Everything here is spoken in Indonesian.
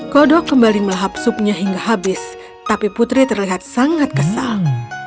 kodok kembali melahap supnya hingga habis tapi putri terlihat sangat kesal